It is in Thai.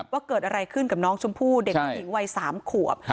ว่าเกิดอะไรขึ้นกับน้องชมพู่เด็กผู้หญิงวัย๓ขวบ